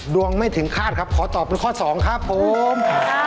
ไม่ถึงคาดครับขอตอบเป็นข้อสองครับผม